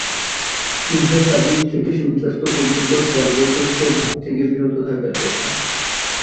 সুবহে সাদিক থেকে সূর্যাস্ত পর্যন্ত চর্বচোষ্য ভোগ থেকে বিরত থাকার কথা।